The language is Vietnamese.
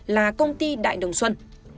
là công ty đại đồng xuân